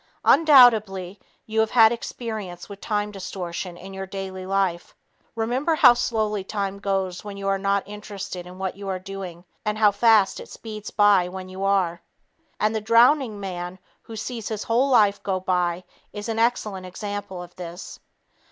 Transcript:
Undoubtedly, you have had experience with time distortion in your daily life. Remember how slowly time goes when you are not interested in what you are doing and how fast it speeds by when you are? And the drowning man, who sees his whole life go by, is an excellent example of this.